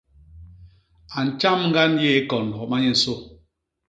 A ntjam ñgan yéé kon homa nyensô.